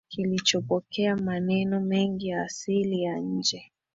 kilichopokea maneno mengi ya asili ya nje